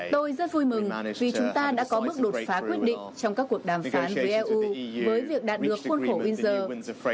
tôi rất vui mừng vì chúng ta đã có bước đột phá quyết định trong các cuộc đàm phán với eu với việc đạt được khuôn khổ winder